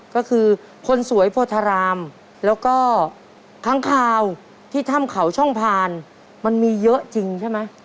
ก็คือคนสวยโพธารามแล้วก็ค้างคาวที่ถ้ำเขาช่องพานมันมีเยอะจริงใช่ไหม